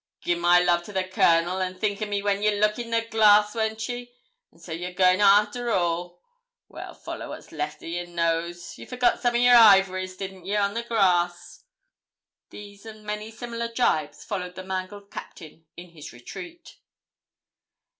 'Gi'e my love to the Colonel, and think o' me when ye look in the glass won't ye? An' so you're goin' arter all; well, follow what's left o' yer nose. Ye forgot some o' yer ivories, didn't ye, on th' grass?' These and many similar jibes followed the mangled Captain in his retreat.